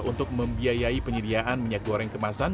untuk membiayai penyediaan minyak goreng kemasan